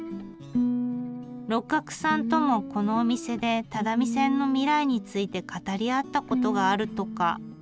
六角さんともこのお店で只見線の未来について語り合ったことがあるとか。